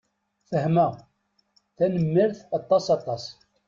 Fehmeɣ. Tanemmirt aṭas aṭas.